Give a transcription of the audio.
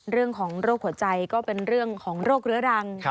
เรื่องของโรคหัวใจก็เป็นเรื่องของโรคเรื้อรัง